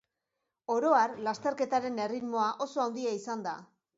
Oro har, lasterketaren erritmoa oso handia izan da.